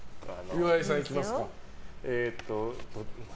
岩井さんいきますか。